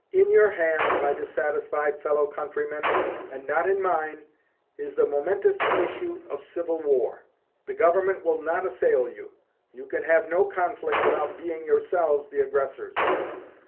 In your hands, my dissatisfied fellow countrymen, and not in mine, is the momentous issue of civil war. The Government will not assail you. You can have no conflict without being yourselves the aggressors.